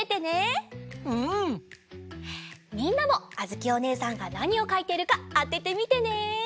みんなもあづきおねえさんがなにをかいているかあててみてね！